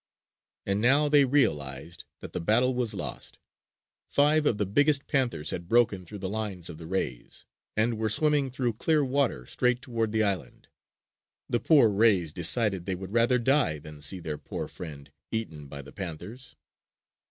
And now they realized that the battle was lost. Five of the biggest panthers had broken through the lines of the rays, and were swimming through clear water straight toward the island. The poor rays decided they would rather die than see their poor friend eaten by the panthers.